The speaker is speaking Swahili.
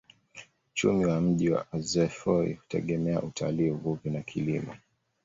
Uchumi wa mji wa Azeffou hutegemea utalii, uvuvi na kilimo.